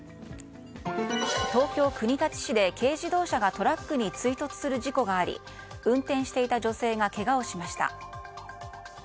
東京・国立市で軽自動車がトラックに追突する事故があり運転していた女性がけがをしました。